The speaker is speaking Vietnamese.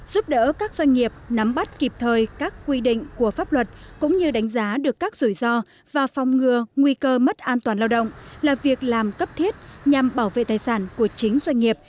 giúp đỡ các doanh nghiệp nắm bắt kịp thời các quy định của pháp luật cũng như đánh giá được các rủi ro và phòng ngừa nguy cơ mất an toàn lao động là việc làm cấp thiết nhằm bảo vệ tài sản của chính doanh nghiệp